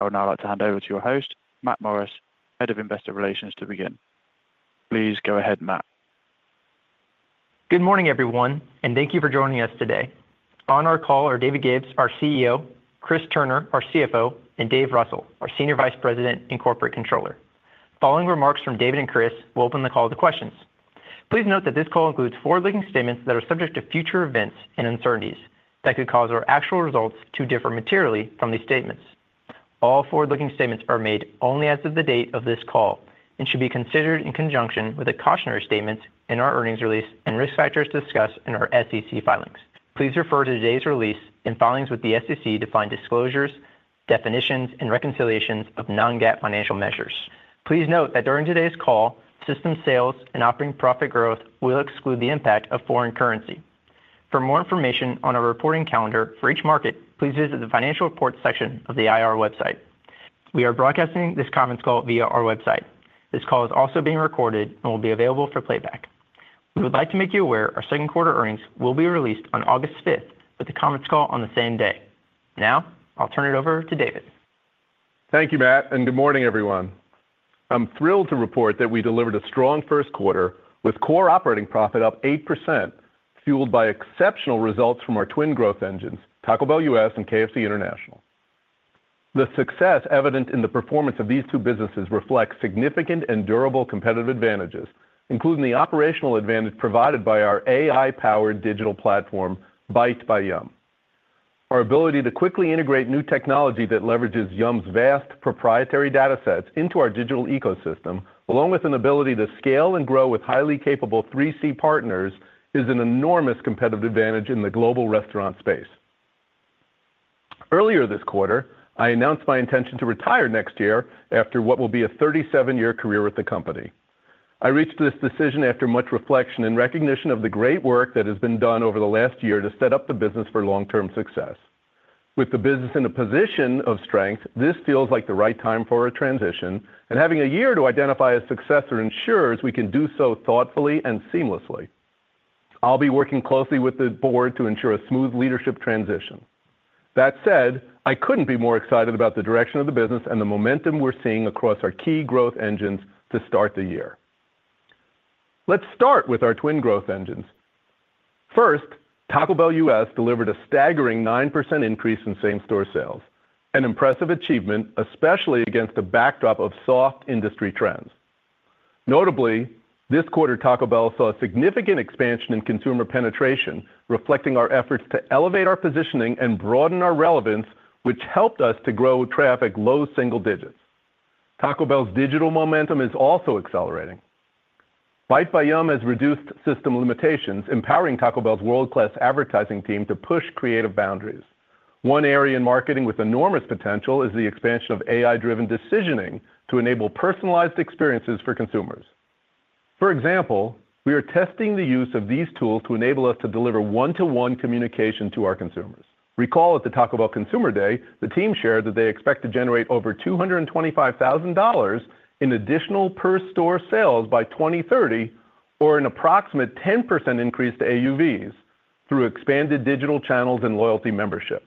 I would now like to hand over to your host, Matt Morris, Head of Investor Relations, to begin. Please go ahead, Matt. Good morning, everyone, and thank you for joining us today. On our call are David Gibbs, our CEO; Chris Turner, our CFO; and Dave Russell, our Senior Vice President and Corporate Controller. Following remarks from David and Chris, we'll open the call to questions. Please note that this call includes forward-looking statements that are subject to future events and uncertainties that could cause our actual results to differ materially from these statements. All forward-looking statements are made only as of the date of this call and should be considered in conjunction with the cautionary statements in our earnings release and risk factors discussed in our SEC filings. Please refer to today's release and filings with the SEC to find disclosures, definitions, and reconciliations of non-GAAP financial measures. Please note that during today's call, system sales and operating profit growth will exclude the impact of foreign currency. For more information on our reporting calendar for each market, please visit the financial reports section of the IR website. We are broadcasting this conference call via our website. This call is also being recorded and will be available for playback. We would like to make you aware our second quarter earnings will be released on August 5th with the conference call on the same day. Now, I'll turn it over to David. Thank you, Matt, and good morning, everyone. I'm thrilled to report that we delivered a strong first quarter with core operating profit up 8%, fueled by exceptional results from our twin growth engines, Taco Bell US and KFC International. The success evident in the performance of these two businesses reflects significant and durable competitive advantages, including the operational advantage provided by our AI-powered digital platform, Byte by Yum! Our ability to quickly integrate new technology that leverages Yum!'s vast proprietary data sets into our digital ecosystem, along with an ability to scale and grow with highly capable 3C partners, is an enormous competitive advantage in the global restaurant space. Earlier this quarter, I announced my intention to retire next year after what will be a 37-year career with the company. I reached this decision after much reflection and recognition of the great work that has been done over the last year to set up the business for long-term success. With the business in a position of strength, this feels like the right time for a transition, and having a year to identify a successor ensures we can do so thoughtfully and seamlessly. I'll be working closely with the board to ensure a smooth leadership transition. That said, I couldn't be more excited about the direction of the business and the momentum we're seeing across our key growth engines to start the year. Let's start with our twin growth engines. First, Taco Bell US delivered a staggering 9% increase in same-store sales, an impressive achievement, especially against a backdrop of soft industry trends. Notably, this quarter, Taco Bell saw a significant expansion in consumer penetration, reflecting our efforts to elevate our positioning and broaden our relevance, which helped us to grow traffic low single digits. Taco Bell's digital momentum is also accelerating. Byte by Yum! has reduced system limitations, empowering Taco Bell's world-class advertising team to push creative boundaries. One area in marketing with enormous potential is the expansion of AI-driven decisioning to enable personalized experiences for consumers. For example, we are testing the use of these tools to enable us to deliver one-to-one communication to our consumers. Recall at the Taco Bell Consumer Day, the team shared that they expect to generate over $225,000 in additional per-store sales by 2030, or an approximate 10% increase to AUVs through expanded digital channels and loyalty membership.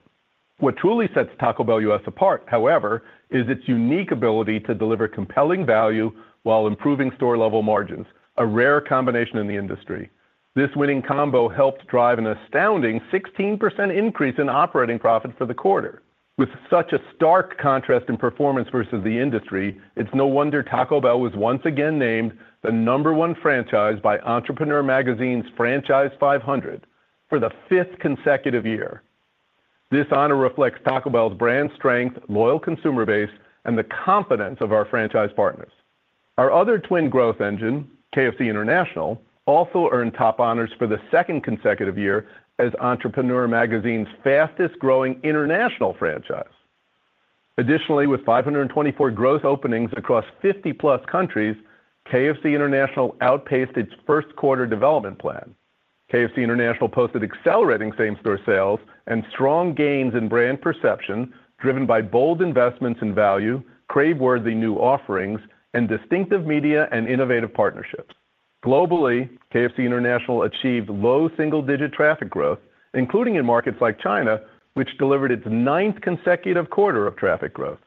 What truly sets Taco Bell US apart, however, is its unique ability to deliver compelling value while improving store-level margins, a rare combination in the industry. This winning combo helped drive an astounding 16% increase in operating profit for the quarter. With such a stark contrast in performance versus the industry, it's no wonder Taco Bell was once again named the number one franchise by Entrepreneur Magazine's Franchise 500 for the fifth consecutive year. This honor reflects Taco Bell's brand strength, loyal consumer base, and the confidence of our franchise partners. Our other twin growth engine, KFC International, also earned top honors for the second consecutive year as Entrepreneur Magazine's fastest-growing international franchise. Additionally, with 524 growth openings across 50-plus countries, KFC International outpaced its first quarter development plan. KFC International posted accelerating same-store sales and strong gains in brand perception, driven by bold investments in value, crave-worthy new offerings, and distinctive media and innovative partnerships. Globally, KFC International achieved low single-digit traffic growth, including in markets like China, which delivered its ninth consecutive quarter of traffic growth.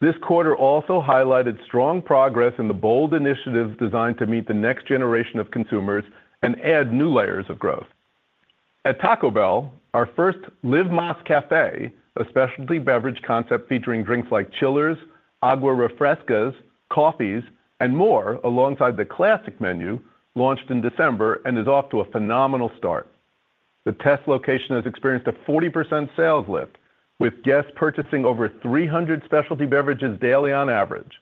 This quarter also highlighted strong progress in the bold initiatives designed to meet the next generation of consumers and add new layers of growth. At Taco Bell, our first Live Más Café, a specialty beverage concept featuring drinks like chillers, agua frescas, coffees, and more alongside the classic menu, launched in December and is off to a phenomenal start. The test location has experienced a 40% sales lift, with guests purchasing over 300 specialty beverages daily on average.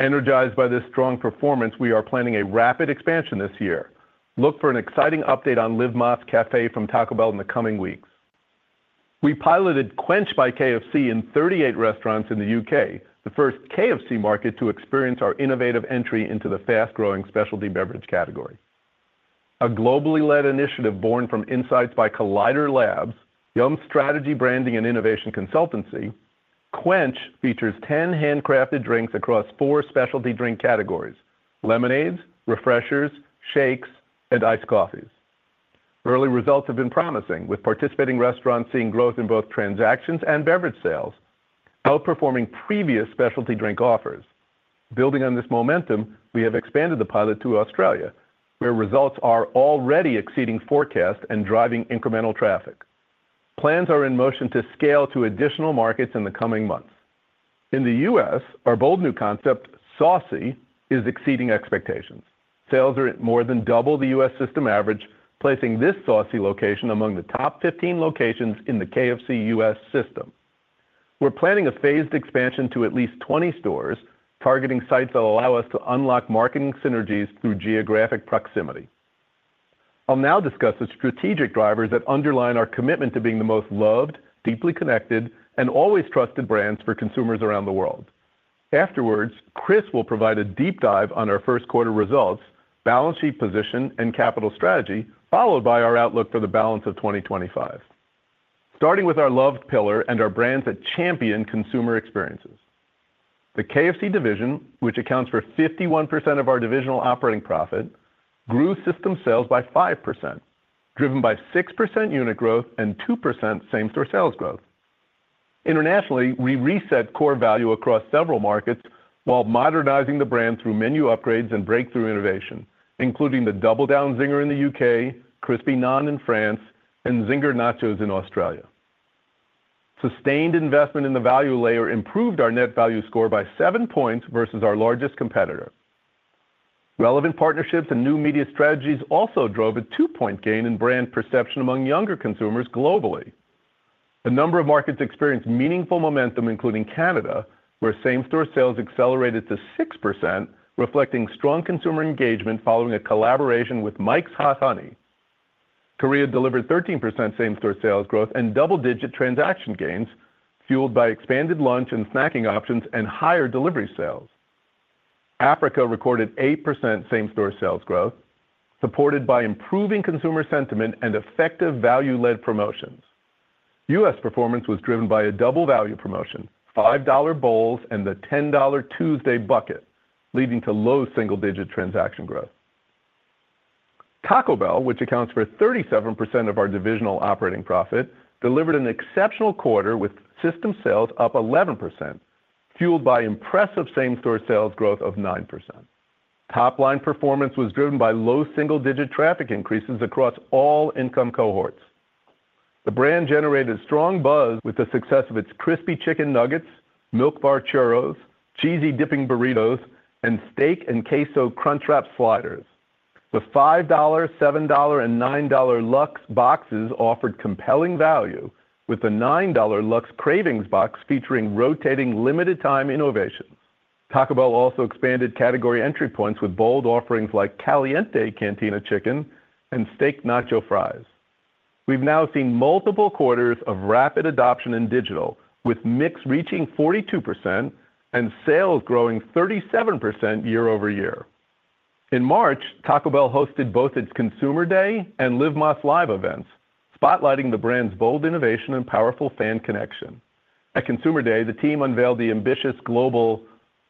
Energized by this strong performance, we are planning a rapid expansion this year. Look for an exciting update on Live Más Café from Taco Bell in the coming weeks. We piloted Quench by KFC in 38 restaurants in the U.K., the first KFC market to experience our innovative entry into the fast-growing specialty beverage category. A globally-led initiative born from insights by Collider Labs, Yum!'s strategy, branding, and innovation consultancy, Quench features 10 handcrafted drinks across four specialty drink categories: lemonades, refreshers, shakes, and iced coffees. Early results have been promising, with participating restaurants seeing growth in both transactions and beverage sales, outperforming previous specialty drink offers. Building on this momentum, we have expanded the pilot to Australia, where results are already exceeding forecasts and driving incremental traffic. Plans are in motion to scale to additional markets in the coming months. In the US, our bold new concept, Saucy, is exceeding expectations. Sales are at more than double the US system average, placing this Saucy location among the top 15 locations in the KFC U.S. system. We're planning a phased expansion to at least 20 stores, targeting sites that allow us to unlock marketing synergies through geographic proximity. I'll now discuss the strategic drivers that underline our commitment to being the most loved, deeply connected, and always trusted brands for consumers around the world. Afterwards, Chris will provide a deep dive on our first quarter results, balance sheet position, and capital strategy, followed by our outlook for the balance of 2025. Starting with our loved pillar and our brands that champion consumer experiences. The KFC division, which accounts for 51% of our divisional operating profit, grew system sales by 5%, driven by 6% unit growth and 2% same-store sales growth. Internationally, we reset core value across several markets while modernizing the brand through menu upgrades and breakthrough innovation, including the Double Down Zinger in the U.K., Crispy Naan in France, and Zinger Nachos in Australia. Sustained investment in the value layer improved our net value score by 7 points versus our largest competitor. Relevant partnerships and new media strategies also drove a 2-point gain in brand perception among younger consumers globally. A number of markets experienced meaningful momentum, including Canada, where same-store sales accelerated to 6%, reflecting strong consumer engagement following a collaboration with Mike's Hot Honey. Korea delivered 13% same-store sales growth and double-digit transaction gains, fueled by expanded lunch and snacking options and higher delivery sales. Africa recorded 8% same-store sales growth, supported by improving consumer sentiment and effective value-led promotions. US performance was driven by a double value promotion, $5 bowls and the $10 Tuesday bucket, leading to low single-digit transaction growth. Taco Bell, which accounts for 37% of our divisional operating profit, delivered an exceptional quarter with system sales up 11%, fueled by impressive same-store sales growth of 9%. Top-line performance was driven by low single-digit traffic increases across all income cohorts. The brand generated strong buzz with the success of its crispy chicken nuggets, milk bar churros, cheesy dipping burritos, and steak and queso Crunchwrap Sliders. The $5, $7, and $9 Luxe Boxes offered compelling value, with the $9 Luxe Cravings Box featuring rotating limited-time innovations. Taco Bell also expanded category entry points with bold offerings like Caliente Cantina Chicken and Steak Nacho Fries. We've now seen multiple quarters of rapid adoption in digital, with mix reaching 42% and sales growing 37% year-over-year. In March, Taco Bell hosted both its Consumer Day and Live Más LIVE events, spotlighting the brand's bold innovation and powerful fan connection. At Consumer Day, the team unveiled the ambitious global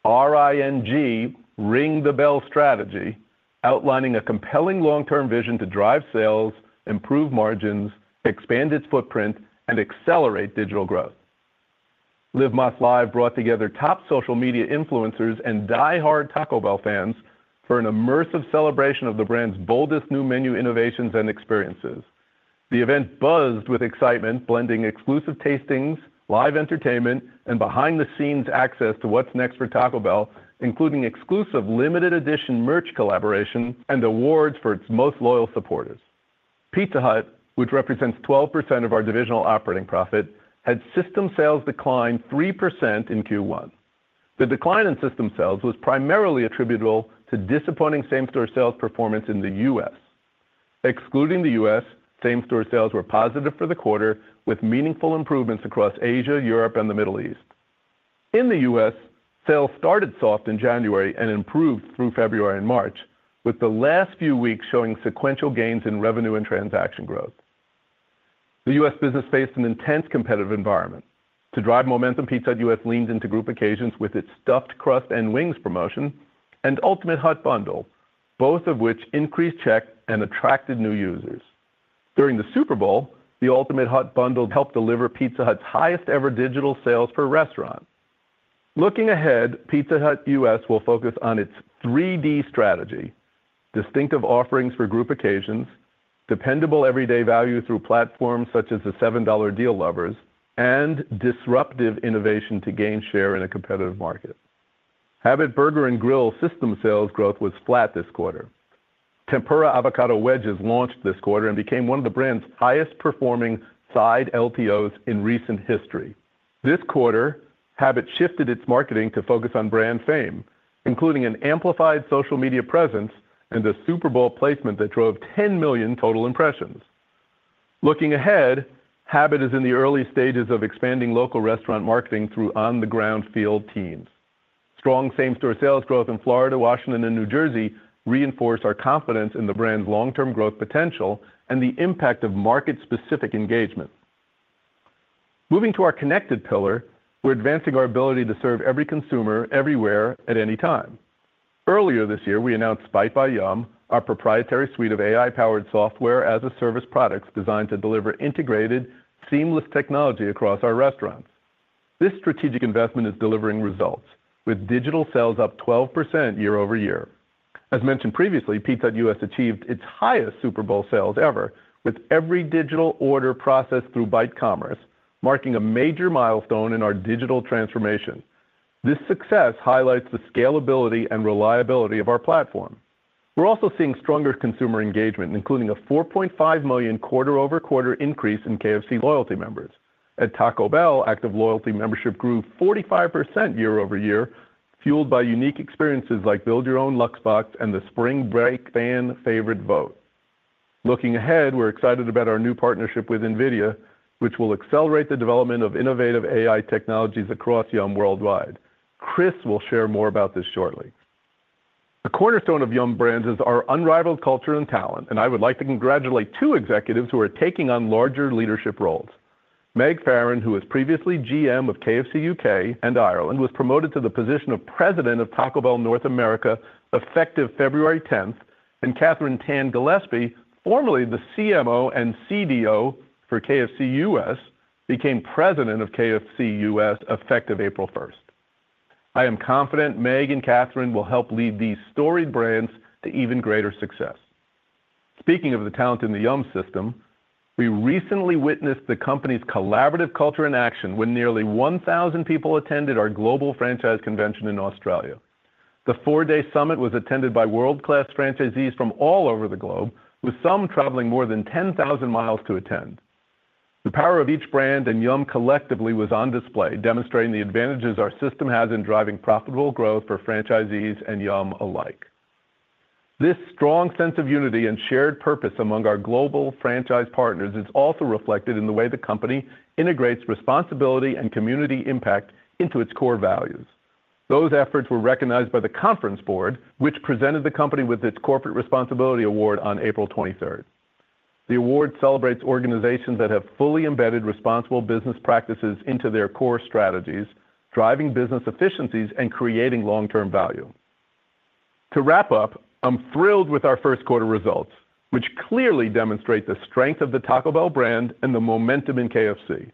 RING, Ring the Bell strategy, outlining a compelling long-term vision to drive sales, improve margins, expand its footprint, and accelerate digital growth. Live Más LIVE brought together top social media influencers and die-hard Taco Bell fans for an immersive celebration of the brand's boldest new menu innovations and experiences. The event buzzed with excitement, blending exclusive tastings, live entertainment, and behind-the-scenes access to what is next for Taco Bell, including exclusive limited-edition merch collaboration and awards for its most loyal supporters. Pizza Hut, which represents 12% of our divisional operating profit, had system sales decline 3% in Q1. The decline in system sales was primarily attributable to disappointing same-store sales performance in the US. Excluding the U.S., same-store sales were positive for the quarter, with meaningful improvements across Asia, Europe, and the Middle East. In the U.S., sales started soft in January and improved through February and March, with the last few weeks showing sequential gains in revenue and transaction growth. The U.S. business faced an intense competitive environment. To drive momentum, Pizza Hut U.S. leaned into group occasions with its stuffed crust and wings promotion and Ultimate Hut Bundle, both of which increased check and attracted new users. During the Super Bowl, the Ultimate Hut Bundle helped deliver Pizza Hut's highest-ever digital sales per restaurant. Looking ahead, Pizza Hut U.S. will focus on its 3D strategy, distinctive offerings for group occasions, dependable everyday value through platforms such as the $7 Deal Lover's, and disruptive innovation to gain share in a competitive market. Habit Burger & Grill system sales growth was flat this quarter. Tempura Avocado Wedges launched this quarter and became one of the brand's highest-performing side LTOs in recent history. This quarter, Habit shifted its marketing to focus on brand fame, including an amplified social media presence and a Super Bowl placement that drove 10 million total impressions. Looking ahead, Habit is in the early stages of expanding local restaurant marketing through on-the-ground field teams. Strong same-store sales growth in Florida, Washington, and New Jersey reinforced our confidence in the brand's long-term growth potential and the impact of market-specific engagement. Moving to our connected pillar, we're advancing our ability to serve every consumer everywhere at any time. Earlier this year, we announced Byte by Yum!, our proprietary suite of AI-powered software as a service products designed to deliver integrated, seamless technology across our restaurants. This strategic investment is delivering results, with digital sales up 12% year-over-year. As mentioned previously, Pizza Hut US achieved its highest Super Bowl sales ever, with every digital order processed through Byte commerce, marking a major milestone in our digital transformation. This success highlights the scalability and reliability of our platform. We're also seeing stronger consumer engagement, including a 4.5 million quarter-over-quarter increase in KFC loyalty members. At Taco Bell, active loyalty membership grew 45% year-over-year, fueled by unique experiences like Build Your Own Luxe Box and the Spring Break Fan Favorite vote. Looking ahead, we're excited about our new partnership with NVIDIA, which will accelerate the development of innovative AI technologies across Yum! Brands worldwide. Chris will share more about this shortly. The cornerstone of Yum! Brands is our unrivaled culture and talent, and I would like to congratulate two executives who are taking on larger leadership roles. Meg Farren, who was previously GM of KFC U.K. and Ireland, was promoted to the position of President of Taco Bell North America effective February 10th, and Katherine Tan-Gillespie, formerly the CMO and CDO for KFC U.S., became President of KFC U.S. effective April 1st. I am confident Meg and Katherine will help lead these storied brands to even greater success. Speaking of the talent in the Yum! system, we recently witnessed the company's collaborative culture in action when nearly 1,000 people attended our global franchise convention in Australia. The four-day summit was attended by world-class franchisees from all over the globe, with some traveling more than 10,000 miles to attend. The power of each brand and Yum! collectively was on display, demonstrating the advantages our system has in driving profitable growth for franchisees and Yum! alike. This strong sense of unity and shared purpose among our global franchise partners is also reflected in the way the company integrates responsibility and community impact into its core values. Those efforts were recognized by the Conference Board, which presented the company with its Corporate Responsibility Award on April 23rd. The award celebrates organizations that have fully embedded responsible business practices into their core strategies, driving business efficiencies and creating long-term value. To wrap up, I'm thrilled with our first quarter results, which clearly demonstrate the strength of the Taco Bell brand and the momentum in KFC.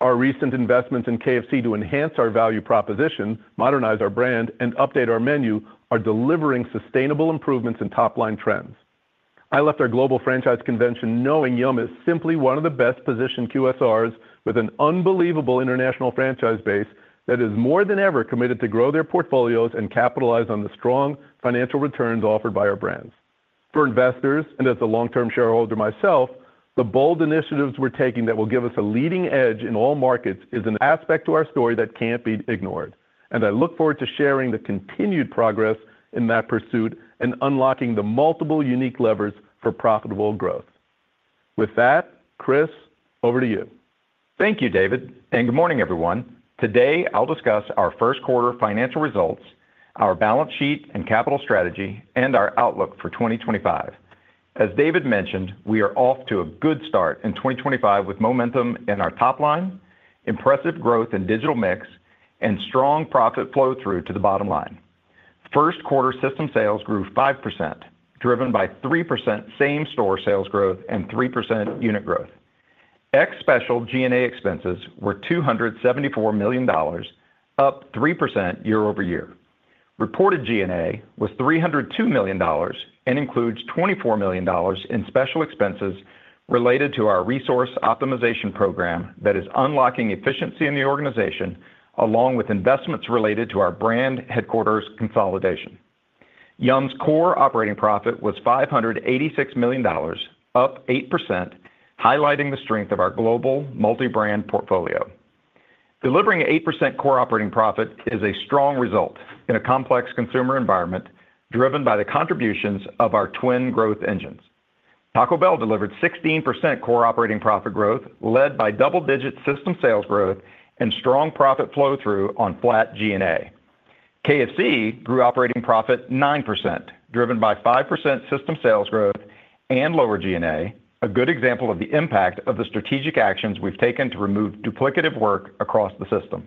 Our recent investments in KFC to enhance our value proposition, modernize our brand, and update our menu are delivering sustainable improvements and top-line trends. I left our global franchise convention knowing Yum! is simply one of the best-positioned QSRs with an unbelievable international franchise base that is more than ever committed to grow their portfolios and capitalize on the strong financial returns offered by our brands. For investors, and as a long-term shareholder myself, the bold initiatives we're taking that will give us a leading edge in all markets is an aspect to our story that can't be ignored, and I look forward to sharing the continued progress in that pursuit and unlocking the multiple unique levers for profitable growth. With that, Chris, over to you. Thank you, David, and good morning, everyone. Today, I'll discuss our first quarter financial results, our balance sheet and capital strategy, and our outlook for 2025. As David mentioned, we are off to a good start in 2025 with momentum in our top line, impressive growth in digital mix, and strong profit flow through to the bottom line. First quarter system sales grew 5%, driven by 3% same-store sales growth and 3% unit growth. Ex-special G&A expenses were $274 million, up 3% year-over-year. Reported G&A was $302 million and includes $24 million in special expenses related to our resource optimization program that is unlocking efficiency in the organization, along with investments related to our brand headquarters consolidation. Yum!'s core operating profit was $586 million, up 8%, highlighting the strength of our global multi-brand portfolio. Delivering 8% core operating profit is a strong result in a complex consumer environment driven by the contributions of our twin growth engines. Taco Bell delivered 16% core operating profit growth, led by double-digit system sales growth and strong profit flow through on flat G&A. KFC grew operating profit 9%, driven by 5% system sales growth and lower G&A, a good example of the impact of the strategic actions we have taken to remove duplicative work across the system.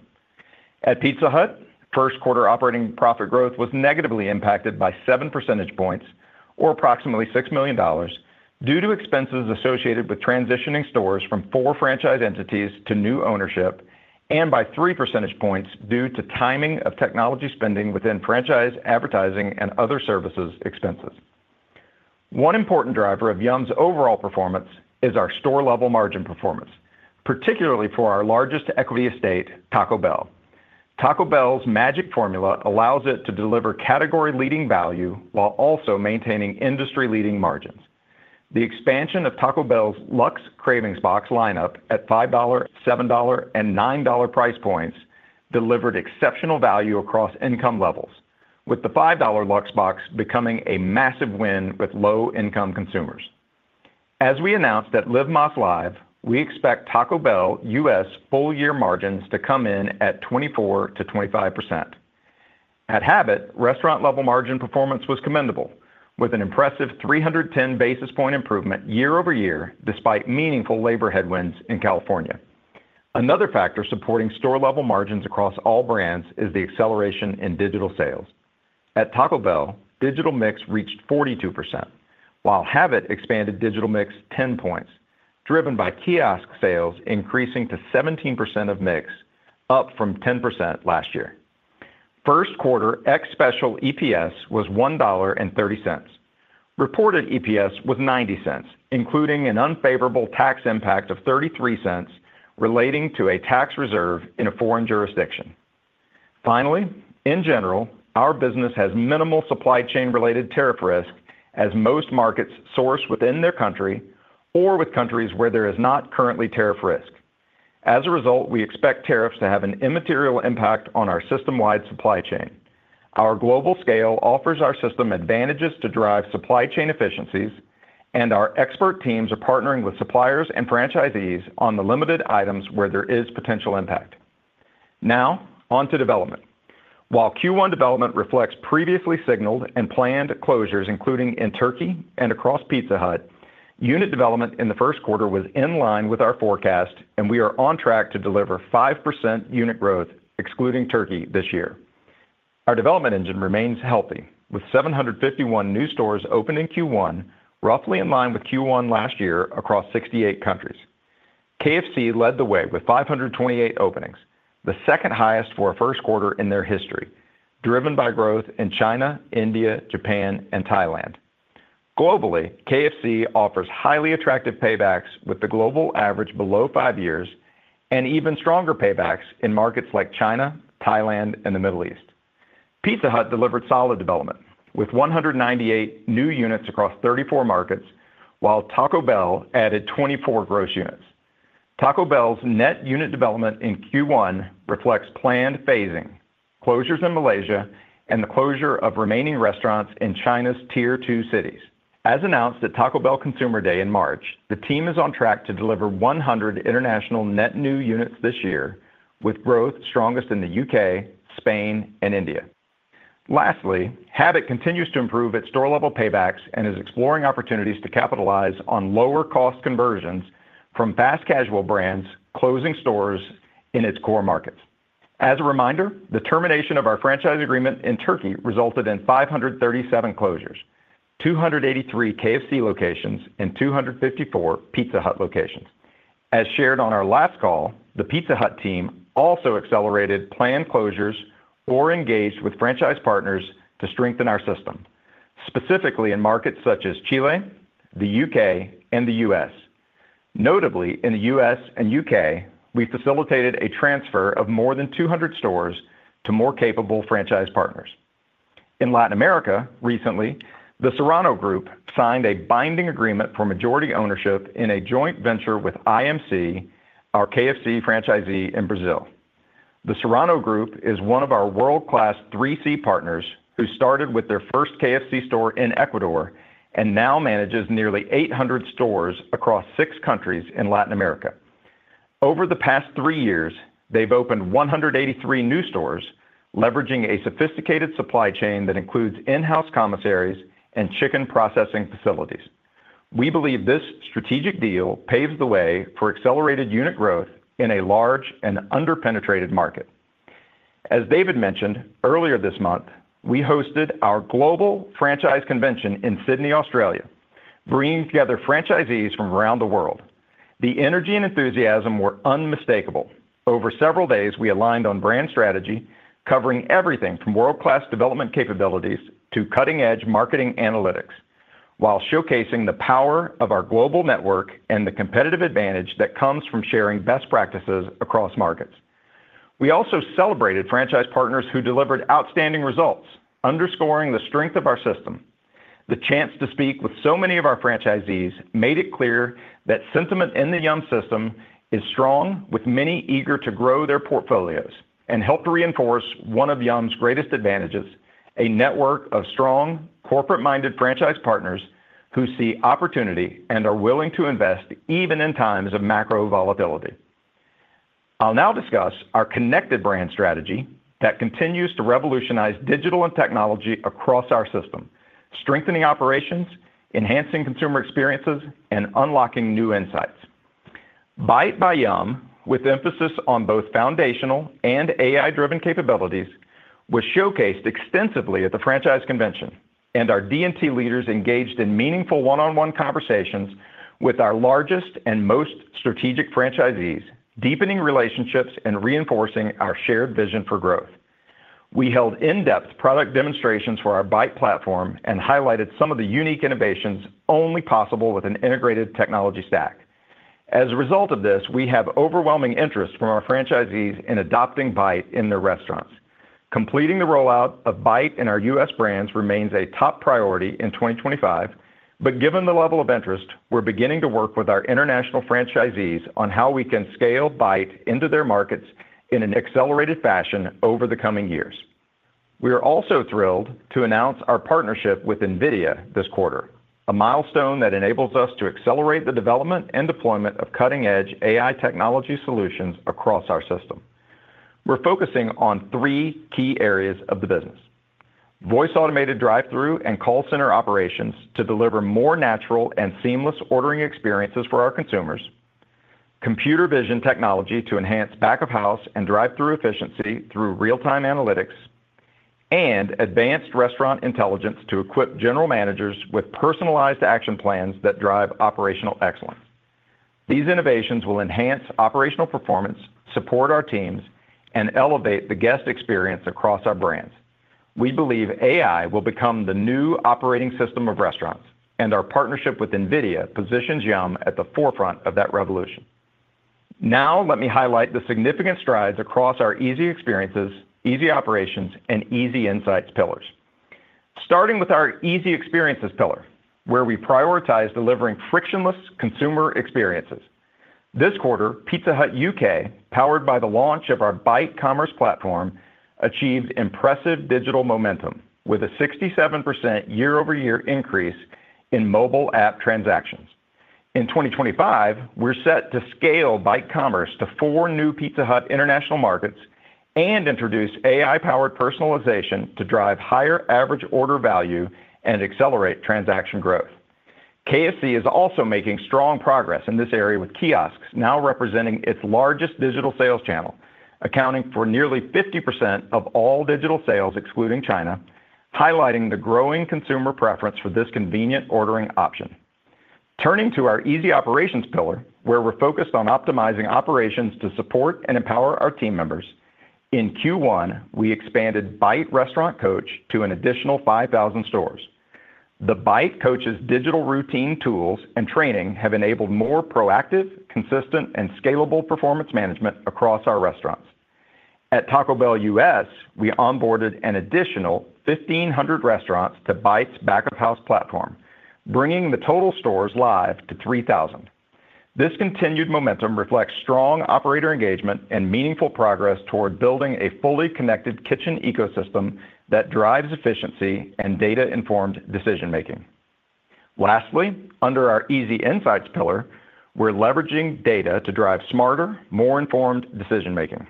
At Pizza Hut, first quarter operating profit growth was negatively impacted by 7 percentage points, or approximately $6 million, due to expenses associated with transitioning stores from four franchise entities to new ownership, and by 3 percentage points due to timing of technology spending within franchise advertising and other services expenses. One important driver of Yum!'s overall performance is our store-level margin performance, particularly for our largest equity estate, Taco Bell. Taco Bell's magic formula allows it to deliver category-leading value while also maintaining industry-leading margins. The expansion of Taco Bell's Luxe Cravings Box lineup at $5, $7, and $9 price points delivered exceptional value across income levels, with the $5 Luxe Box becoming a massive win with low-income consumers. As we announced at Live Moss Live, we expect Taco Bell US full-year margins to come in at 24% to 25%. At Habit, restaurant-level margin performance was commendable, with an impressive 310 basis point improvement year-over-year despite meaningful labor headwinds in California. Another factor supporting store-level margins across all brands is the acceleration in digital sales. At Taco Bell, digital mix reached 42%, while Habit expanded digital mix 10 points, driven by kiosk sales increasing to 17% of mix, up from 10% last year. First quarter ex-special EPS was $1.30. Reported EPS was $0.90, including an unfavorable tax impact of $0.33 relating to a tax reserve in a foreign jurisdiction. Finally, in general, our business has minimal supply chain-related tariff risk as most markets source within their country or with countries where there is not currently tariff risk. As a result, we expect tariffs to have an immaterial impact on our system-wide supply chain. Our global scale offers our system advantages to drive supply chain efficiencies, and our expert teams are partnering with suppliers and franchisees on the limited items where there is potential impact. Now, on to development. While Q1 development reflects previously signaled and planned closures, including in Turkey and across Pizza Hut, unit development in the first quarter was in line with our forecast, and we are on track to deliver 5% unit growth, excluding Turkey, this year. Our development engine remains healthy, with 751 new stores opened in Q1, roughly in line with Q1 last year across 68 countries. KFC led the way with 528 openings, the second highest for a first quarter in their history, driven by growth in China, India, Japan, and Thailand. Globally, KFC offers highly attractive paybacks with the global average below five years and even stronger paybacks in markets like China, Thailand, and the Middle East. Pizza Hut delivered solid development, with 198 new units across 34 markets, while Taco Bell added 24 gross units. Taco Bell's net unit development in Q1 reflects planned phasing, closures in Malaysia, and the closure of remaining restaurants in China's tier two cities. As announced at Taco Bell Consumer Day in March, the team is on track to deliver 100 international net new units this year, with growth strongest in the U.K., Spain, and India. Lastly, Habit continues to improve its store-level paybacks and is exploring opportunities to capitalize on lower-cost conversions from fast-casual brands closing stores in its core markets. As a reminder, the termination of our franchise agreement in Turkey resulted in 537 closures, 283 KFC locations, and 254 Pizza Hut locations. As shared on our last call, the Pizza Hut team also accelerated planned closures or engaged with franchise partners to strengthen our system, specifically in markets such as Chile, the U.K., and the U.S. Notably, in the U.S. and U.K., we facilitated a transfer of more than 200 stores to more capable franchise partners. In Latin America, recently, the Serrano Group signed a binding agreement for majority ownership in a joint venture with IMC, our KFC franchisee in Brazil. The Serrano Group is one of our world-class 3C partners who started with their first KFC store in Ecuador and now manages nearly 800 stores across six countries in Latin America. Over the past three years, they've opened 183 new stores, leveraging a sophisticated supply chain that includes in-house commissaries and chicken processing facilities. We believe this strategic deal paves the way for accelerated unit growth in a large and under-penetrated market. As David mentioned earlier this month, we hosted our global franchise convention in Sydney, Australia, bringing together franchisees from around the world. The energy and enthusiasm were unmistakable. Over several days, we aligned on brand strategy, covering everything from world-class development capabilities to cutting-edge marketing analytics, while showcasing the power of our global network and the competitive advantage that comes from sharing best practices across markets. We also celebrated franchise partners who delivered outstanding results, underscoring the strength of our system. The chance to speak with so many of our franchisees made it clear that sentiment in the Yum! system is strong, with many eager to grow their portfolios, and helped reinforce one of Yum!'s greatest advantages: a network of strong, corporate-minded franchise partners who see opportunity and are willing to invest even in times of macro volatility. I'll now discuss our connected brand strategy that continues to revolutionize digital and technology across our system, strengthening operations, enhancing consumer experiences, and unlocking new insights. Byte by Yum!, with emphasis on both foundational and AI-driven capabilities, was showcased extensively at the franchise convention, and our D&T leaders engaged in meaningful one-on-one conversations with our largest and most strategic franchisees, deepening relationships and reinforcing our shared vision for growth. We held in-depth product demonstrations for our Byte platform and highlighted some of the unique innovations only possible with an integrated technology stack. As a result of this, we have overwhelming interest from our franchisees in adopting Byte in their restaurants. Completing the rollout of Byte in our US brands remains a top priority in 2025, but given the level of interest, we're beginning to work with our international franchisees on how we can scale Byte into their markets in an accelerated fashion over the coming years. We are also thrilled to announce our partnership with NVIDIA this quarter, a milestone that enables us to accelerate the development and deployment of cutting-edge AI technology solutions across our system. We're focusing on three key areas of the business: voice-automated drive-through and call center operations to deliver more natural and seamless ordering experiences for our consumers, computer vision technology to enhance back-of-house and drive-through efficiency through real-time analytics, and advanced restaurant intelligence to equip general managers with personalized action plans that drive operational excellence. These innovations will enhance operational performance, support our teams, and elevate the guest experience across our brands. We believe AI will become the new operating system of restaurants, and our partnership with NVIDIA positions Yum! at the forefront of that revolution. Now, let me highlight the significant strides across our easy experiences, easy operations, and easy insights pillars. Starting with our easy experiences pillar, where we prioritize delivering frictionless consumer experiences. This quarter, Pizza Hut UK, powered by the launch of our Byte commerce platform, achieved impressive digital momentum with a 67% year-over-year increase in mobile app transactions. In 2025, we're set to scale Byte commerce to four new Pizza Hut international markets and introduce AI-powered personalization to drive higher average order value and accelerate transaction growth. KFC is also making strong progress in this area with kiosks now representing its largest digital sales channel, accounting for nearly 50% of all digital sales excluding China, highlighting the growing consumer preference for this convenient ordering option. Turning to our easy operations pillar, where we're focused on optimizing operations to support and empower our team members, in Q1, we expanded Byte restaurant coach to an additional 5,000 stores. The Byte coach's digital routine tools and training have enabled more proactive, consistent, and scalable performance management across our restaurants. At Taco Bell US, we onboarded an additional 1,500 restaurants to Byte's back-of-house platform, bringing the total stores live to 3,000. This continued momentum reflects strong operator engagement and meaningful progress toward building a fully connected kitchen ecosystem that drives efficiency and data-informed decision-making. Lastly, under our easy insights pillar, we're leveraging data to drive smarter, more informed decision-making.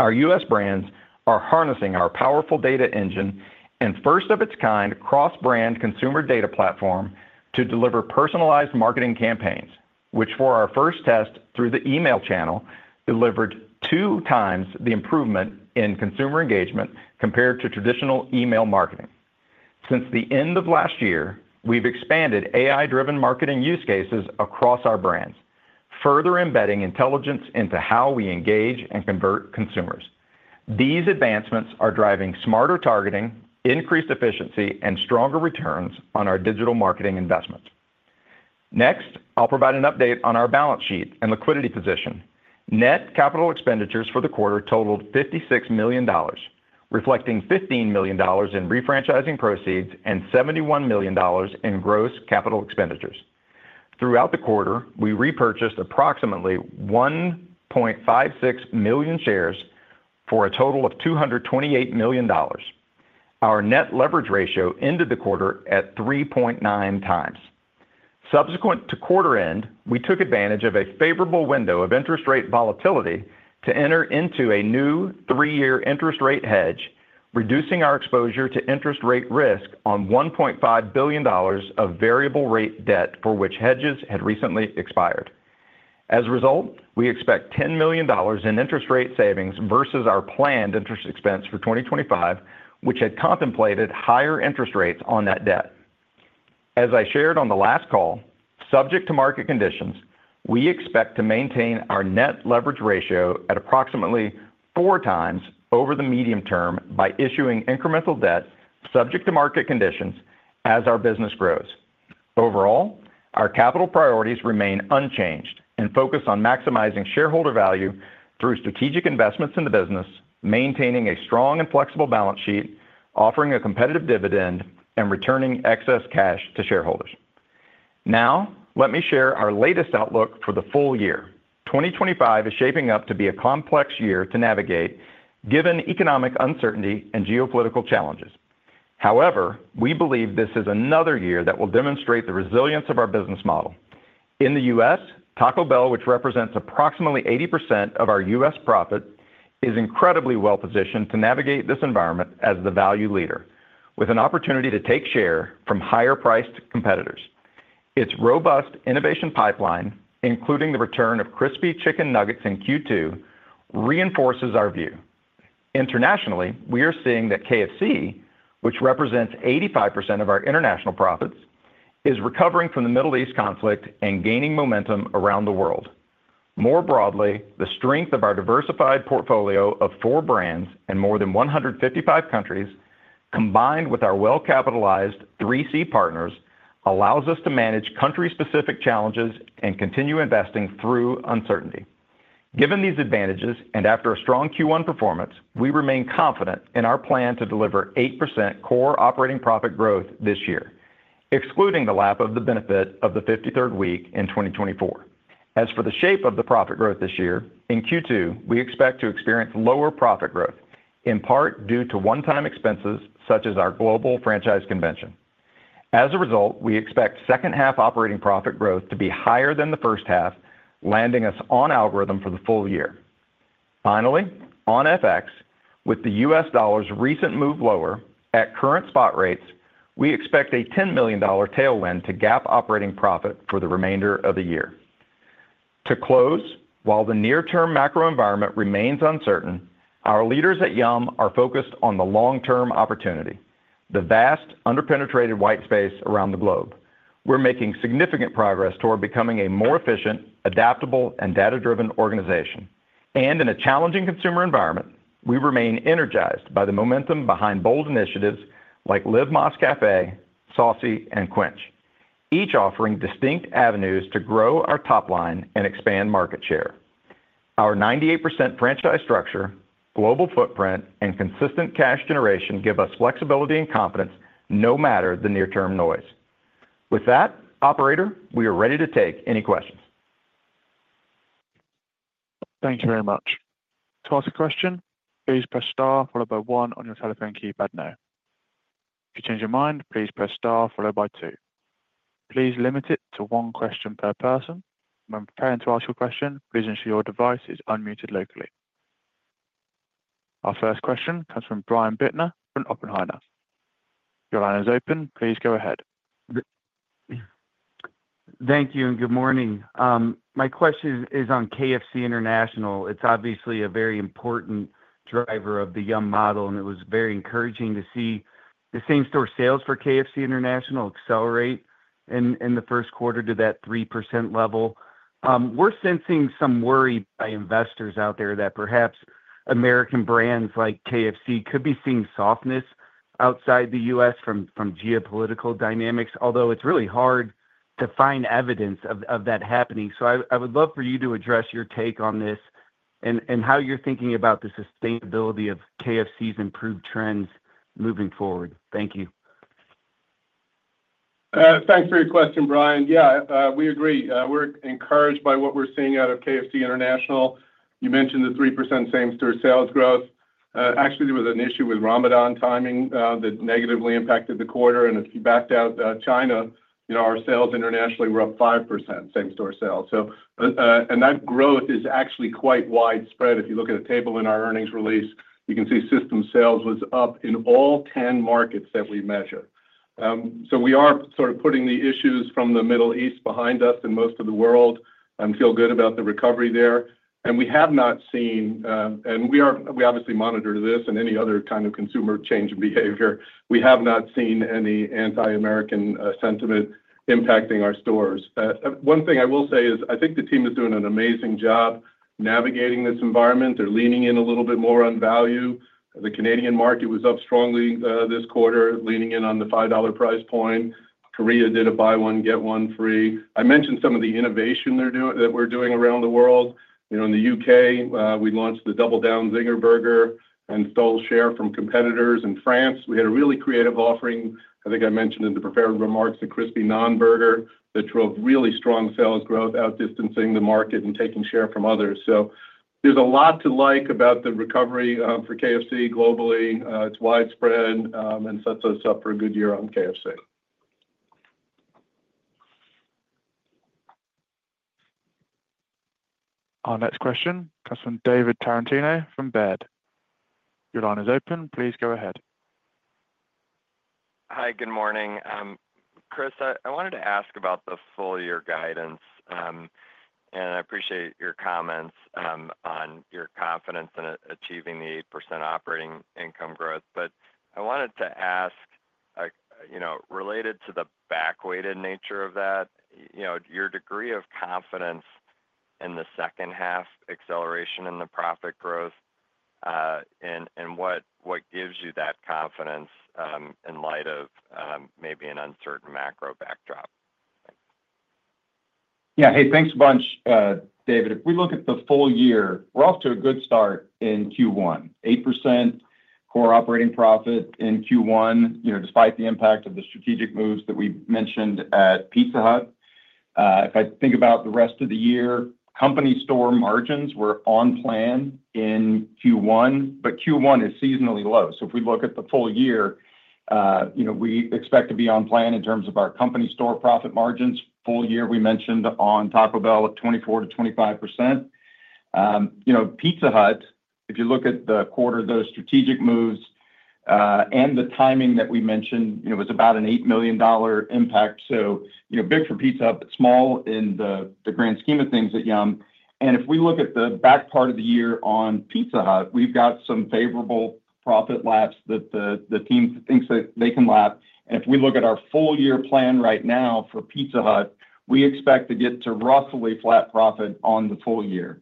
Our US brands are harnessing our powerful data engine and first-of-its-kind cross-brand consumer data platform to deliver personalized marketing campaigns, which, for our first test through the email channel, delivered two times the improvement in consumer engagement compared to traditional email marketing. Since the end of last year, we've expanded AI-driven marketing use cases across our brands, further embedding intelligence into how we engage and convert consumers. These advancements are driving smarter targeting, increased efficiency, and stronger returns on our digital marketing investments. Next, I'll provide an update on our balance sheet and liquidity position. Net capital expenditures for the quarter totaled $56 million, reflecting $15 million in refranchising proceeds and $71 million in gross capital expenditures. Throughout the quarter, we repurchased approximately 1.56 million shares for a total of $228 million. Our net leverage ratio ended the quarter at 3.9x. Subsequent to quarter end, we took advantage of a favorable window of interest rate volatility to enter into a new three-year interest rate hedge, reducing our exposure to interest rate risk on $1.5 billion of variable-rate debt for which hedges had recently expired. As a result, we expect $10 million in interest rate savings versus our planned interest expense for 2025, which had contemplated higher interest rates on that debt. As I shared on the last call, subject to market conditions, we expect to maintain our net leverage ratio at approximately 4x over the medium term by issuing incremental debt subject to market conditions as our business grows. Overall, our capital priorities remain unchanged and focus on maximizing shareholder value through strategic investments in the business, maintaining a strong and flexible balance sheet, offering a competitive dividend, and returning excess cash to shareholders. Now, let me share our latest outlook for the full year. 2025 is shaping up to be a complex year to navigate, given economic uncertainty and geopolitical challenges. However, we believe this is another year that will demonstrate the resilience of our business model. In the U.S., Taco Bell, which represents approximately 80% of our U.S. profit, is incredibly well-positioned to navigate this environment as the value leader, with an opportunity to take share from higher-priced competitors. Its robust innovation pipeline, including the return of crispy chicken nuggets in Q2, reinforces our view. Internationally, we are seeing that KFC, which represents 85% of our international profits, is recovering from the Middle East conflict and gaining momentum around the world. More broadly, the strength of our diversified portfolio of four brands and more than 155 countries, combined with our well-capitalized 3C partners, allows us to manage country-specific challenges and continue investing through uncertainty. Given these advantages and after a strong Q1 performance, we remain confident in our plan to deliver 8% core operating profit growth this year, excluding the lap of the benefit of the 53rd week in 2024. As for the shape of the profit growth this year, in Q2, we expect to experience lower profit growth, in part due to one-time expenses such as our global franchise convention. As a result, we expect second-half operating profit growth to be higher than the first half, landing us on algorithm for the full year. Finally, on FX, with the US dollar's recent move lower at current spot rates, we expect a $10 million tailwind to gap operating profit for the remainder of the year. To close, while the near-term macro environment remains uncertain, our leaders at Yum! are focused on the long-term opportunity: the vast under-penetrated white space around the globe. We're making significant progress toward becoming a more efficient, adaptable, and data-driven organization. In a challenging consumer environment, we remain energized by the momentum behind bold initiatives like Live Más Café, Saucy, and Quench, each offering distinct avenues to grow our top line and expand market share. Our 98% franchise structure, global footprint, and consistent cash generation give us flexibility and confidence no matter the near-term noise. With that, operator, we are ready to take any questions. Thank you very much. To ask a question, please press Star followed by one on your telephone keypad now. If you change your mind, please press star followed by two. Please limit it to one question per person. When preparing to ask your question, please ensure your device is unmuted locally. Our first question comes from Brian Bittner from Oppenheimer. Your line is open. Please go ahead. Thank you and good morning. My question is on KFC International. It's obviously a very important driver of the Yum! model, and it was very encouraging to see the same-store sales for KFC International accelerate in the first quarter to that 3% level. We're sensing some worry by investors out there that perhaps American brands like KFC could be seeing softness outside the US from geopolitical dynamics, although it's really hard to find evidence of that happening. I would love for you to address your take on this and how you're thinking about the sustainability of KFC's improved trends moving forward. Thank you. Thanks for your question, Brian. Yeah, we agree. We're encouraged by what we're seeing out of KFC International. You mentioned the 3% same-store sales growth. Actually, there was an issue with Ramadan timing that negatively impacted the quarter. If you backed out China, our sales internationally were up 5% same-store sales. That growth is actually quite widespread. If you look at a table in our earnings release, you can see system sales was up in all 10 markets that we measured. We are sort of putting the issues from the Middle East behind us and most of the world and feel good about the recovery there. We have not seen, and we obviously monitor this and any other kind of consumer change in behavior. We have not seen any anti-American sentiment impacting our stores. One thing I will say is I think the team is doing an amazing job navigating this environment. They're leaning in a little bit more on value. The Canadian market was up strongly this quarter, leaning in on the $5 price point. Korea did a buy one, get one free. I mentioned some of the innovation that we're doing around the world. In the U.K., we launched the Double Down Zinger Burger and stole share from competitors. In France, we had a really creative offering. I think I mentioned in the prepared remarks the Crispy Naan Burger that drove really strong sales growth, outdistancing the market and taking share from others. There is a lot to like about the recovery for KFC globally. It is widespread and sets us up for a good year on KFC. Our next question comes from David Tarantino from Baird. Your line is open. Please go ahead. Hi, good morning. Chris, I wanted to ask about the full-year guidance, and I appreciate your comments on your confidence in achieving the 8% operating income growth. I wanted to ask, related to the back-weighted nature of that, your degree of confidence in the second-half acceleration in the profit growth and what gives you that confidence in light of maybe an uncertain macro backdrop? Yeah. Hey, thanks a bunch, David. If we look at the full year, we're off to a good start in Q1. 8% core operating profit in Q1, despite the impact of the strategic moves that we mentioned at Pizza Hut. If I think about the rest of the year, company store margins were on plan in Q1, but Q1 is seasonally low. If we look at the full year, we expect to be on plan in terms of our company store profit margins. Full year, we mentioned on Taco Bell at 24% to 25%. Pizza Hut, if you look at the quarter, those strategic moves and the timing that we mentioned, it was about an $8 million impact. Big for Pizza Hut, but small in the grand scheme of things at Yum!. If we look at the back part of the year on Pizza Hut, we've got some favorable profit laps that the team thinks that they can lap. If we look at our full-year plan right now for Pizza Hut, we expect to get to roughly flat profit on the full year.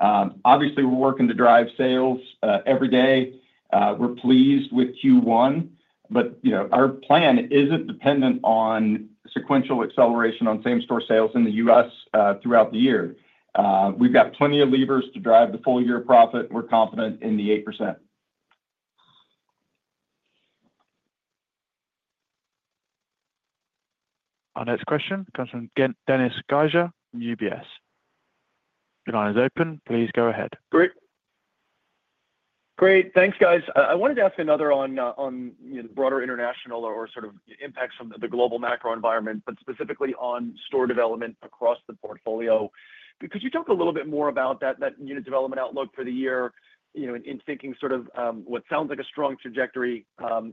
Obviously, we're working to drive sales every day. We're pleased with Q1, but our plan isn't dependent on sequential acceleration on same-store sales in the U.S. throughout the year. We've got plenty of levers to drive the full-year profit. We're confident in the 8%. Our next question comes from Dennis Geiger from UBS. Your line is open. Please go ahead. Great. Great. Thanks, guys. I wanted to ask another on the broader international or sort of impacts of the global macro environment, but specifically on store development across the portfolio. Could you talk a little bit more about that unit development outlook for the year in thinking sort of what sounds like a strong trajectory,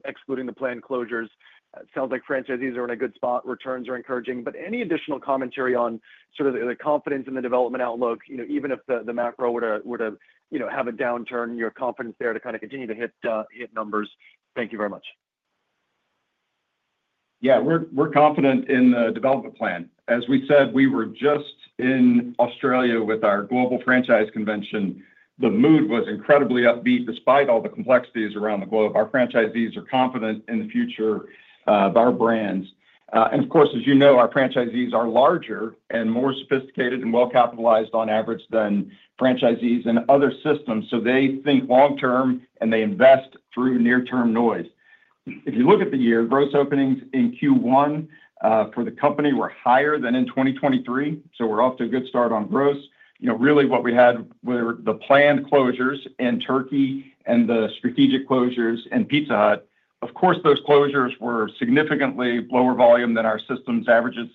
excluding the planned closures? It sounds like franchisees are in a good spot. Returns are encouraging. Any additional commentary on sort of the confidence in the development outlook, even if the macro were to have a downturn, your confidence there to kind of continue to hit numbers? Thank you very much. Yeah, we're confident in the development plan. As we said, we were just in Australia with our global franchise convention. The mood was incredibly upbeat despite all the complexities around the globe. Our franchisees are confident in the future of our brands. And of course, as you know, our franchisees are larger and more sophisticated and well-capitalized on average than franchisees in other systems. They think long-term and they invest through near-term noise. If you look at the year, gross openings in Q1 for the company were higher than in 2023. We are off to a good start on gross. Really, what we had were the planned closures in Turkey and the strategic closures in Pizza Hut. Of course, those closures were significantly lower volume than our system's averages.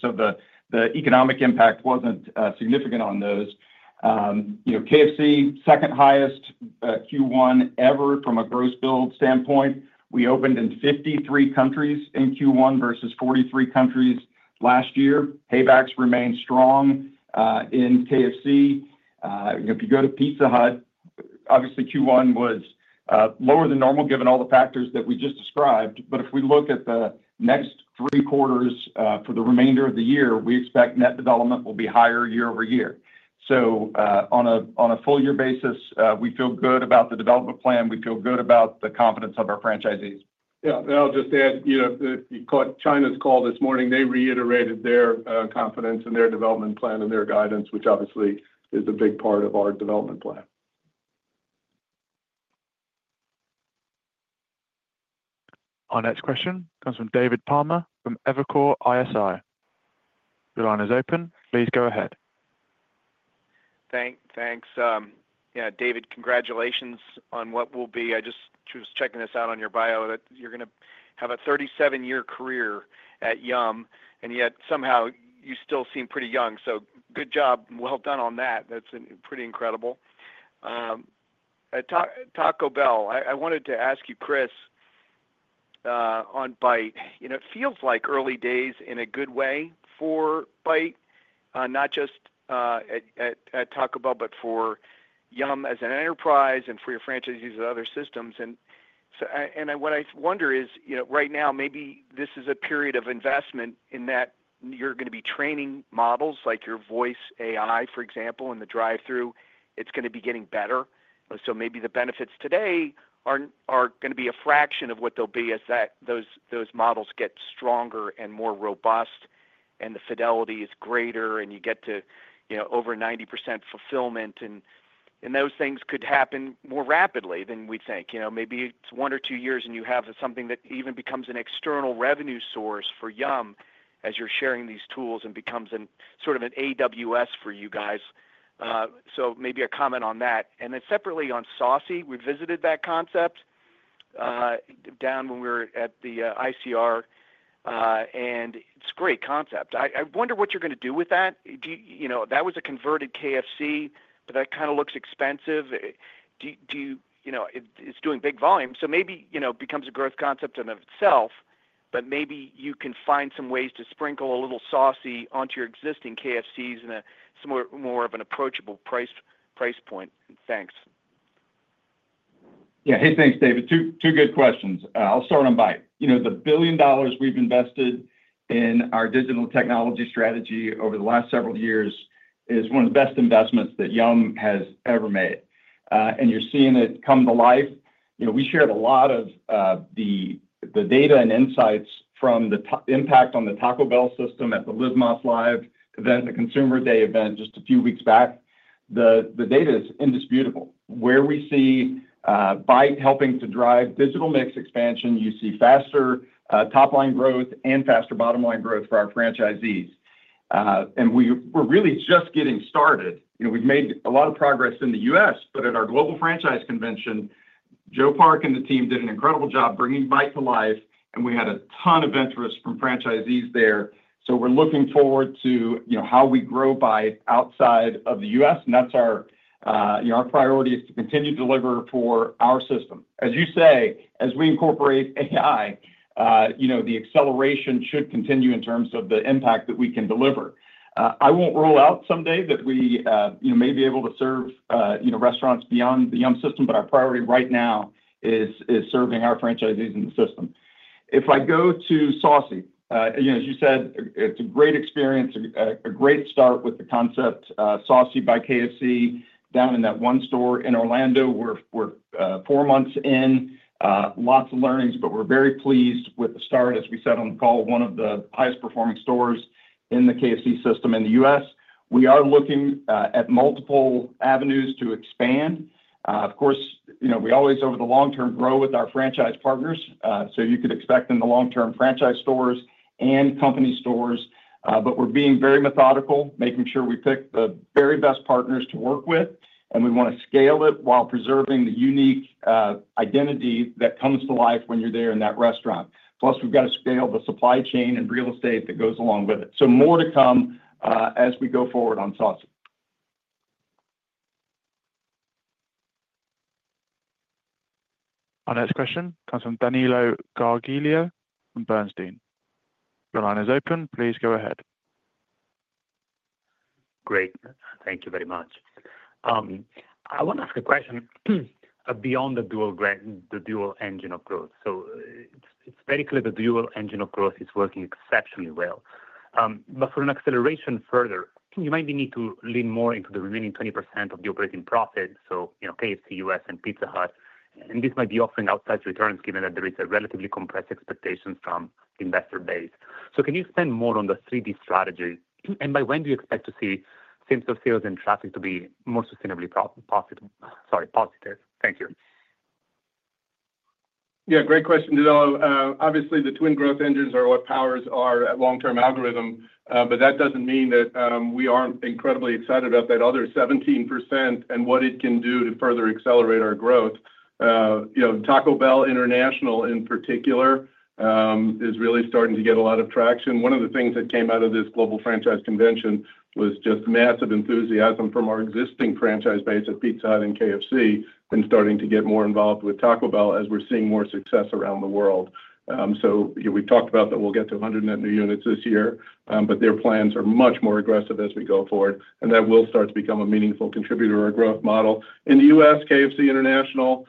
The economic impact was not significant on those. KFC, second highest Q1 ever from a gross build standpoint. We opened in 53 countries in Q1 versus 43 countries last year. Paybacks remained strong in KFC. If you go to Pizza Hut, obviously Q1 was lower than normal given all the factors that we just described. If we look at the next three quarters for the remainder of the year, we expect net development will be higher year-over-year. On a full-year basis, we feel good about the development plan. We feel good about the confidence of our franchisees. Yeah. I'll just add, you caught China's call this morning. They reiterated their confidence in their development plan and their guidance, which obviously is a big part of our development plan. Our next question comes from David Palmer from Evercore ISI. Your line is open. Please go ahead. Thanks. Yeah, David, congratulations on what will be—I just was checking this out on your bio—that you're going to have a 37-year career at Yum!, and yet somehow you still seem pretty young. Good job. Well done on that. That's pretty incredible. At Taco Bell, I wanted to ask you, Chris, on Byte. It feels like early days in a good way for Byte, not just at Taco Bell, but for Yum! as an enterprise and for your franchisees of other systems. What I wonder is, right now, maybe this is a period of investment in that you're going to be training models like your voice AI, for example, in the drive-through. It's going to be getting better. Maybe the benefits today are going to be a fraction of what they'll be as those models get stronger and more robust, and the fidelity is greater, and you get to over 90% fulfillment. Those things could happen more rapidly than we think. Maybe it's one or two years and you have something that even becomes an external revenue source for Yum! as you're sharing these tools and becomes sort of an AWS for you guys. Maybe a comment on that. Separately on Saucy, we visited that concept down when we were at the ICR, and it's a great concept. I wonder what you're going to do with that. That was a converted KFC, but that kind of looks expensive. It's doing big volume. Maybe it becomes a growth concept in itself, but maybe you can find some ways to sprinkle a little Saucy onto your existing KFCs at more of an approachable price point. Thanks. Yeah. Hey, thanks, David. Two good questions. I'll start on Byte. The billion dollars we've invested in our digital technology strategy over the last several years is one of the best investments that Yum! has ever made. You're seeing it come to life. We shared a lot of the data and insights from the impact on the Taco Bell system at the Live Moss Live event, the Consumer Day event just a few weeks back. The data is indisputable. Where we see Byte helping to drive digital mix expansion, you see faster top-line growth and faster bottom-line growth for our franchisees. We're really just getting started. We've made a lot of progress in the U.S., but at our global franchise convention, Joe Park and the team did an incredible job bringing Byte to life, and we had a ton of interest from franchisees there. We're looking forward to how we grow Byte outside of the US, and that's our priority is to continue to deliver for our system. As you say, as we incorporate AI, the acceleration should continue in terms of the impact that we can deliver. I won't rule out someday that we may be able to serve restaurants beyond the Yum! system, but our priority right now is serving our franchisees in the system. If I go to Saucy, as you said, it's a great experience, a great start with the concept, Saucy by KFC down in that one store in Orlando. We're four months in, lots of learnings, but we're very pleased with the start as we said on the call, one of the highest-performing stores in the KFC system in the US. We are looking at multiple avenues to expand. Of course, we always, over the long term, grow with our franchise partners. You could expect in the long term franchise stores and company stores, but we're being very methodical, making sure we pick the very best partners to work with, and we want to scale it while preserving the unique identity that comes to life when you're there in that restaurant. Plus, we've got to scale the supply chain and real estate that goes along with it. More to come as we go forward on Saucy. Our next question comes from Danilo Gargiulo from Bernstein. Your line is open. Please go ahead. Great. Thank you very much. I want to ask a question beyond the dual engine of growth. It is very clear the dual engine of growth is working exceptionally well. For an acceleration further, you might need to lean more into the remaining 20% of the operating profit, so KFC US and Pizza Hut, and this might be offering outside returns given that there is a relatively compressed expectation from the investor base. Can you spend more on the 3D strategy? By when do you expect to see same-store sales and traffic to be more sustainably positive? Thank you. Yeah. Great question, Danilo. Obviously, the twin growth engines are what powers our long-term algorithm, but that does not mean that we are not incredibly excited about that other 17% and what it can do to further accelerate our growth. Taco Bell International, in particular, is really starting to get a lot of traction. One of the things that came out of this global franchise convention was just massive enthusiasm from our existing franchise base at Pizza Hut and KFC and starting to get more involved with Taco Bell as we're seeing more success around the world. We’ve talked about that we'll get to 100 net new units this year, but their plans are much more aggressive as we go forward, and that will start to become a meaningful contributor or growth model. In the U.S., KFC International,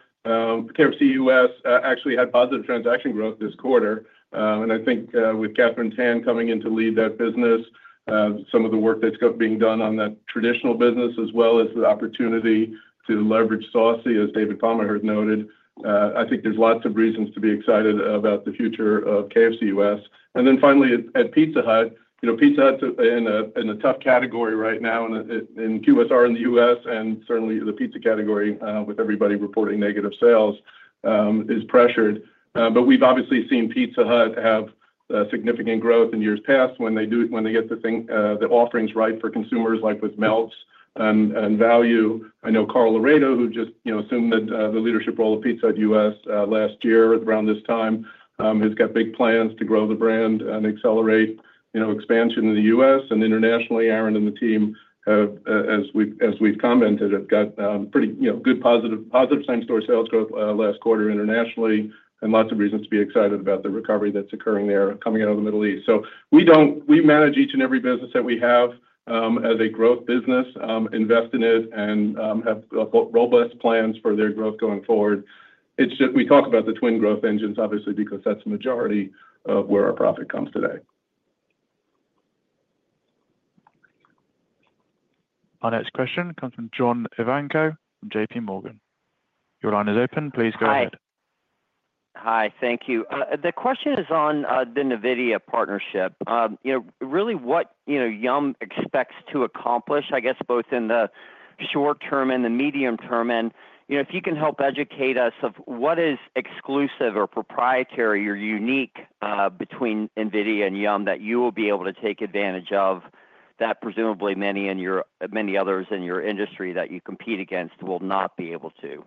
KFC US actually had positive transaction growth this quarter. I think with Catherine Tan coming in to lead that business, some of the work that's being done on that traditional business, as well as the opportunity to leverage Saucy, as David Palmer has noted, I think there's lots of reasons to be excited about the future of KFC US Finally, at Pizza Hut, Pizza Hut's in a tough category right now in QSR in the US, and certainly the pizza category with everybody reporting negative sales is pressured. We've obviously seen Pizza Hut have significant growth in years past when they get the offerings right for consumers like with Melts and Value. I know Carl Loredo, who just assumed the leadership role of Pizza Hut US last year around this time, has got big plans to grow the brand and accelerate expansion in the U.S. and internationally. Aaron and the team, as we've commented, have got pretty good positive same-store sales growth last quarter internationally and lots of reasons to be excited about the recovery that's occurring there coming out of the Middle East. We manage each and every business that we have as a growth business, invest in it, and have robust plans for their growth going forward. We talk about the twin growth engines, obviously, because that's the majority of where our profit comes today. Our next question comes from John Ivankoe from JPMorgan. Your line is open. Please go ahead. Hi. Hi. Thank you. The question is on the NVIDIA partnership. Really, what Yum! expects to accomplish, I guess, both in the short term and the medium term, and if you can help educate us of what is exclusive or proprietary or unique between NVIDIA and Yum! that you will be able to take advantage of that presumably many others in your industry that you compete against will not be able to.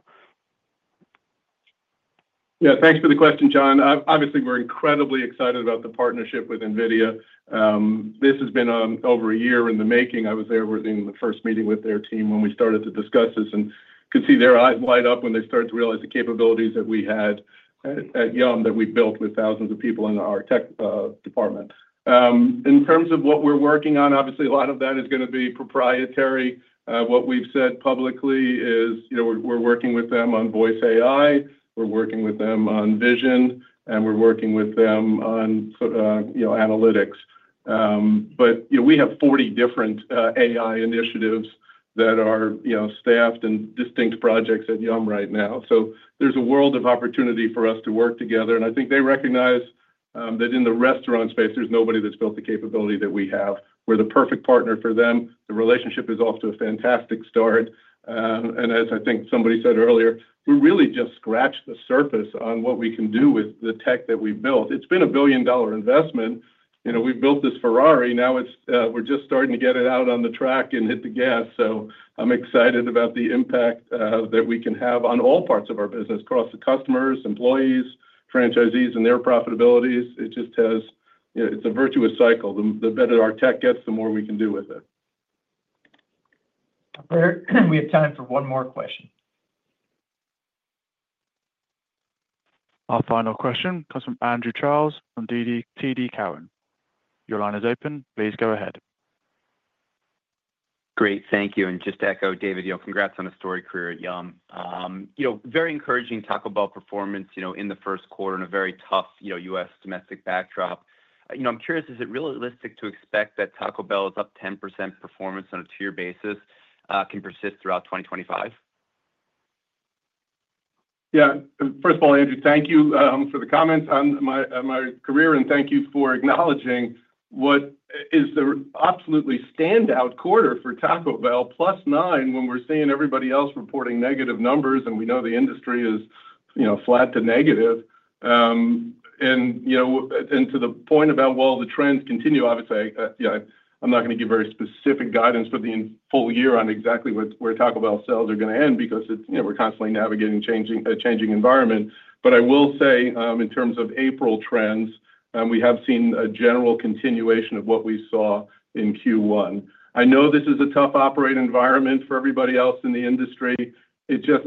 Yeah. Thanks for the question, John. Obviously, we're incredibly excited about the partnership with NVIDIA. This has been over a year in the making. I was there in the first meeting with their team when we started to discuss this and could see their eyes light up when they started to realize the capabilities that we had at Yum! that we built with thousands of people in our tech department. In terms of what we're working on, obviously, a lot of that is going to be proprietary. What we've said publicly is we're working with them on voice AI, we're working with them on vision, and we're working with them on analytics. We have 40 different AI initiatives that are staffed and distinct projects at Yum! right now. There is a world of opportunity for us to work together. I think they recognize that in the restaurant space, there's nobody that's built the capability that we have. We're the perfect partner for them. The relationship is off to a fantastic start. As I think somebody said earlier, we're really just scratching the surface on what we can do with the tech that we built. It's been a billion-dollar investment. We've built this Ferrari. Now we're just starting to get it out on the track and hit the gas. I am excited about the impact that we can have on all parts of our business across the customers, employees, franchisees, and their profitabilities. It just has a virtuous cycle. The better our tech gets, the more we can do with it. We have time for one more question. Our final question comes from Andrew Charles from TD Cowen. Your line is open. Please go ahead. Great. Thank you. Just to echo, David, congrats on a storied career at Yum! Very encouraging Taco Bell performance in the first quarter in a very tough US domestic backdrop. I'm curious, is it realistic to expect that Taco Bell's up 10% performance on a two-year basis can persist throughout 2025? Yeah. First of all, Andrew, thank you for the comments on my career, and thank you for acknowledging what is the absolutely standout quarter for Taco Bell, plus 9% when we're seeing everybody else reporting negative numbers, and we know the industry is flat to negative. To the point about, well, the trends continue, obviously, I'm not going to give very specific guidance for the full year on exactly where Taco Bell's sales are going to end because we're constantly navigating a changing environment. I will say, in terms of April trends, we have seen a general continuation of what we saw in Q1. I know this is a tough operating environment for everybody else in the industry. It just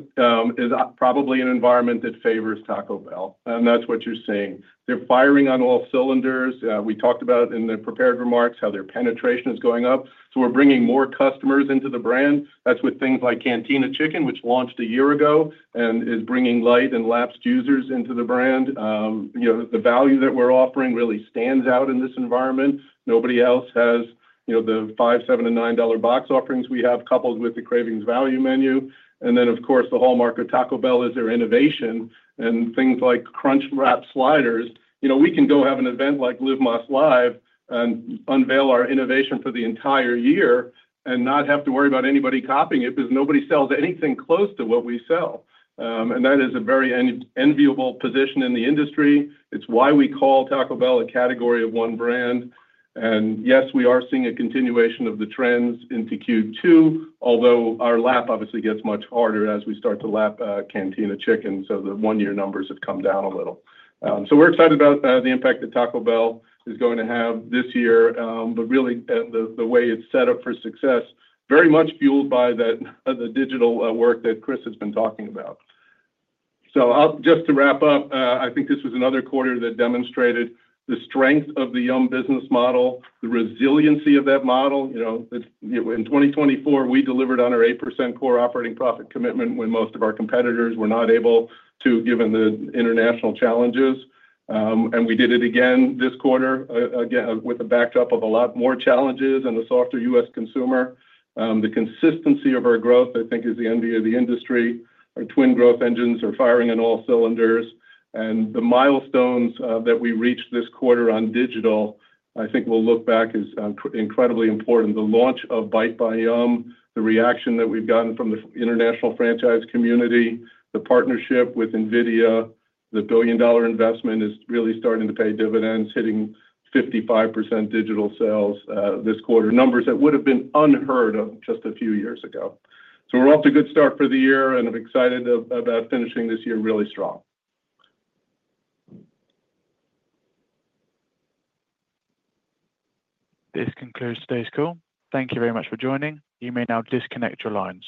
is probably an environment that favors Taco Bell, and that's what you're seeing. They're firing on all cylinders. We talked about in the prepared remarks how their penetration is going up. We are bringing more customers into the brand. That is with things like Cantina Chicken, which launched a year ago and is bringing light and lapsed users into the brand. The value that we are offering really stands out in this environment. Nobody else has the $5, $7, and $9 box offerings we have coupled with the Cravings Value Menu. Of course, the hallmark of Taco Bell is their innovation and things like Crunchwrap Sliders. We can go have an event like Live Más LIVE and unveil our innovation for the entire year and not have to worry about anybody copying it because nobody sells anything close to what we sell. That is a very enviable position in the industry. It's why we call Taco Bell a category of one brand. Yes, we are seeing a continuation of the trends into Q2, although our lap obviously gets much harder as we start to lap Cantina Chicken. The one-year numbers have come down a little. We are excited about the impact that Taco Bell is going to have this year, but really the way it's set up for success, very much fueled by the digital work that Chris has been talking about. Just to wrap up, I think this was another quarter that demonstrated the strength of the Yum! business model, the resiliency of that model. In 2024, we delivered on our 8% core operating profit commitment when most of our competitors were not able to given the international challenges. We did it again this quarter with a backdrop of a lot more challenges and a softer US consumer. The consistency of our growth, I think, is the envy of the industry. Our twin growth engines are firing on all cylinders. The milestones that we reached this quarter on digital, I think we'll look back, is incredibly important. The launch of Byte by Yum!, the reaction that we've gotten from the international franchise community, the partnership with NVIDIA, the billion-dollar investment is really starting to pay dividends, hitting 55% digital sales this quarter, numbers that would have been unheard of just a few years ago. We're off to a good start for the year, and I'm excited about finishing this year really strong. This concludes today's call. Thank you very much for joining. You may now disconnect your lines.